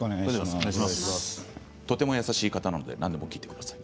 とても優しい方なので何でも聞いてください。